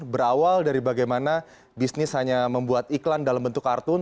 berawal dari bagaimana bisnis hanya membuat iklan dalam bentuk kartun